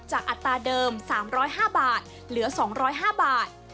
อัตราเดิม๓๐๕บาทเหลือ๒๐๕บาท